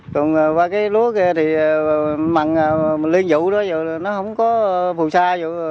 còn ba cái lúa kia thì mằng liên vụ đó nó không có phù sa vô